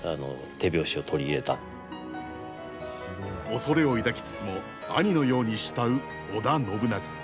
恐れを抱きつつも兄のように慕う織田信長。